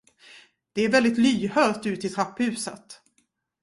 Det är väldigt lyhört ut till trapphuset.